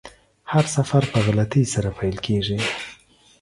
هر سفر په غلطۍ سره پیل کیږي.